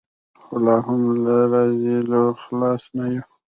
خو لا هم له رذایلو خلاص نه وي.